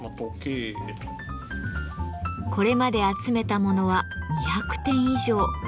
これまで集めた物は２００点以上。